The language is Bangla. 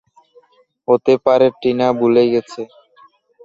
হতে পারে টিনা ভুলে গেছে।